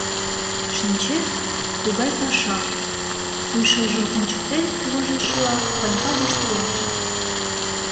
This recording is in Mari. — Шинчет... тугай паша... — пӱй шылжым ончыктен, вожылшыла, Ванька воштылеш.